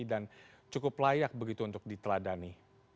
dan cukup layak begitu untuk diteladani